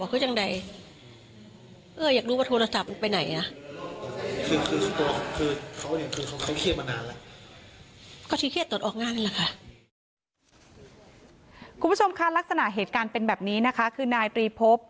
คุณผู้ชมคะลักษณะเหตุการณ์เป็นแบบนี้นะคะคือนายตรีพบ